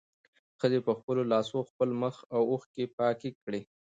ښځې په خپلو لاسو د خپل مخ اوښکې پاکې کړې.